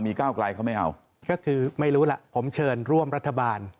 ก้าวไกลเขาไม่เอาก็คือไม่รู้ล่ะผมเชิญร่วมรัฐบาล